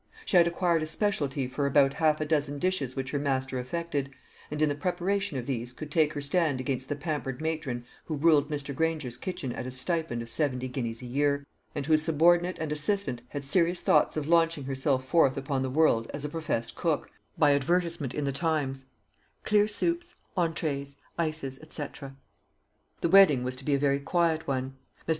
She had acquired a specialty for about half a dozen dishes which her master affected, and in the preparation of these could take her stand against the pampered matron who ruled Mr. Granger's kitchen at a stipend of seventy guineas a year, and whose subordinate and assistant had serious thoughts of launching herself forth upon the world as a professed cook, by advertisement in the Times "clear soups, entrées, ices, &c." The wedding was to be a very quiet one. Mr.